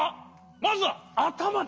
まずはあたまだ。